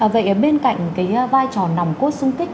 vậy bên cạnh cái vai trò nòng cốt sung kích